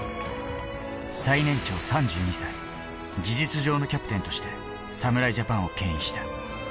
最年長３２歳、事実上のキャプテンとして侍ジャパンをけん引した。